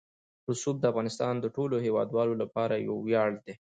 رسوب د افغانستان د ټولو هیوادوالو لپاره یو ویاړ دی.